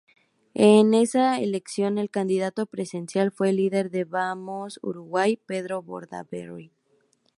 En esa elección el candidato presidencial fue el líder de Vamos Uruguay, Pedro Bordaberry.